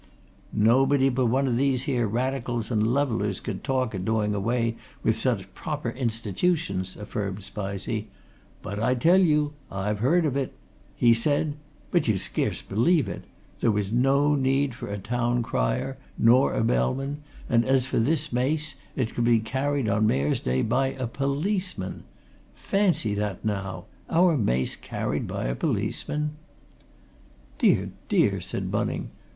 "Nobody but one o' these here Radicals and levellers could talk o' doing away with such proper institutions," affirmed Spizey. "But I tell yer I've heard of it. He said but you'd scarce believe it! there was no need for a town crier, nor a bellman, and, as for this mace, it could be carried on Mayor's Day by a policeman! Fancy that, now our mace carried by a policeman!" "Dear, dear!" said Bunning.